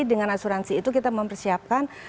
dengan asuransi itu kita mempersiapkan